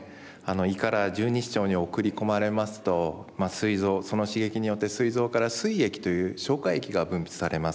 胃から十二指腸に送り込まれますとその刺激によってすい臓からすい液という消化液が分泌されます。